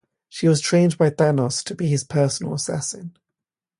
She was trained by Thanos to be his personal assassin.